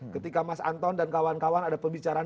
ketika mas anton dan kawan kawan ada pembicaraan